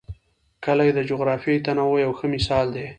کلي د جغرافیوي تنوع یو ښه مثال دی.